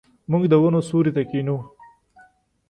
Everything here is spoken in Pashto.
موږ د ونو سیوري ته کښینو.